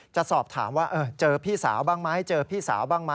จะสอบถามว่าเจอพี่สาวบ้างไหม